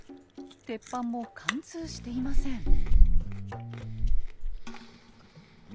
鉄板も貫通していません。